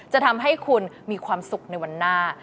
จะทำให้คุณมีความสุขในวันหน้า